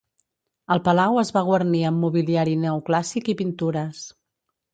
El palau es va guarnir amb mobiliari neoclàssic i pintures.